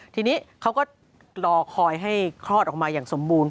ทีนี้เขาก็รอคอยให้คลอดออกมาอย่างสมบูรณ